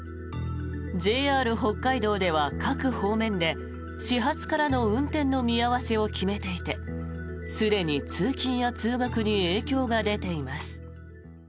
ＪＲ北海道では各方面で始発からの運転の見合わせを決めていてすでに通勤や通学に影響が出ています。